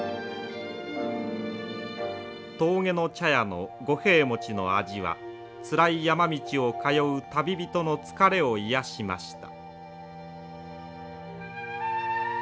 峠の茶屋の五平餅の味はつらい山道を通う旅人の疲れを癒やしました。